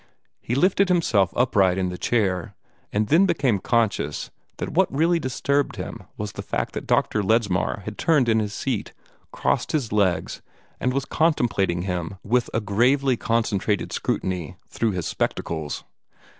He lifted himself upright in the chair, and then became conscious that what really disturbed him was the fact that Dr. Ledsmar had turned in his seat, crossed his legs, and was contemplating him with a gravely concentrated scrutiny through his spectacles.